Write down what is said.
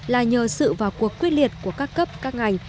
là nhờ sự vào cuộc quyết liệt của các cấp các ngành